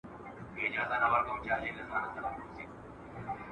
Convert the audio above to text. تلواري کار د شیطان دی.